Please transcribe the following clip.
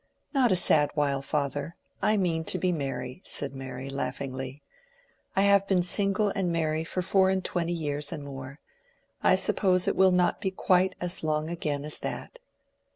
"Not a sad while, father—I mean to be merry," said Mary, laughingly. "I have been single and merry for four and twenty years and more: I suppose it will not be quite as long again as that."